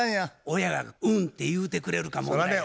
親が「うん」て言うてくれるか問題や。